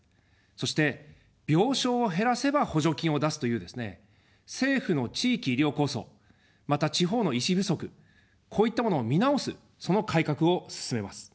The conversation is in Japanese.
そして、病床を減らせば補助金を出すというですね、政府の地域医療構想、また地方の医師不足、こういったものを見直す、その改革を進めます。